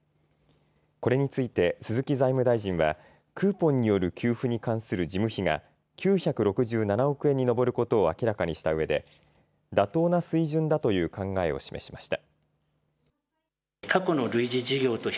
これについて鈴木財務大臣はクーポンによる給付に関する事務費が９６７億円に上ることを明らかにしたうえで妥当な水準だという考えを示しました。